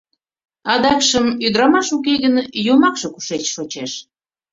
Адакшым, ӱдырамаш уке гын, йомакше кушеч шочеш?